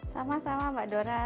sama sama mbak dora